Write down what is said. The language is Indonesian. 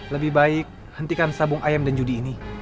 lebih baik hentikan sabung ayam dan judi ini